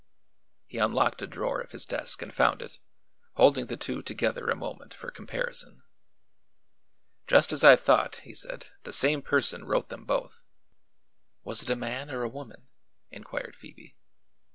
He unlocked a drawer of his desk and found it, holding the two together a moment for comparison. "Just as I thought," he said. "The same person wrote them both." "Was it a man or a woman?" inquired Phoebe.